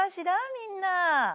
みんな。